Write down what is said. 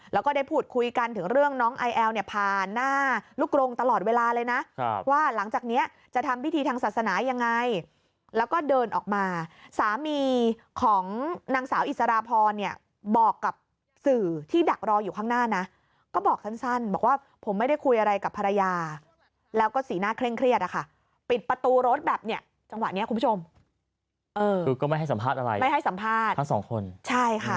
แล้วก็ได้พูดคุยกันถึงเรื่องน้องไอแอลเนี่ยผ่านหน้าลูกรงตลอดเวลาเลยนะว่าหลังจากเนี้ยจะทำวิธีทางศาสนายังไงแล้วก็เดินออกมาสามีของนางสาวอิสรพรเนี่ยบอกกับสื่อที่ดักรออยู่ข้างหน้าน่ะก็บอกสั้นสั้นบอกว่าผมไม่ได้คุยอะไรกับภรรยาแล้วก็สีหน้าเคร่งเครียดอ่ะค่ะปิดประตูรถแบบเนี้ยจังห